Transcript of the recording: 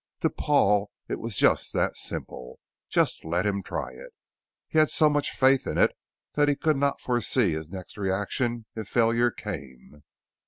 To Paul it was just that simple. Just let him try it. He had so much faith in it that he could not foresee his next reaction if failure came.